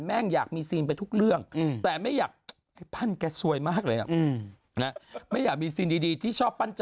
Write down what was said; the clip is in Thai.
เมงอยากมีซีนไปทุกเรื่องแต่ไม่อยากให้ผมแกสวยมาเลยนะไม่อยากมีดีที่